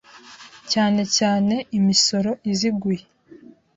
cyane cyane imisoro iziguye